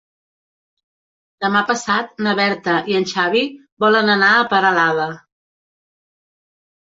Demà passat na Berta i en Xavi volen anar a Peralada.